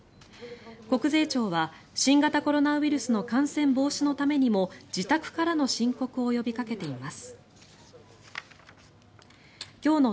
国税庁は新型コロナウイルスの感染防止のためにも自宅からの申告を呼びかけています。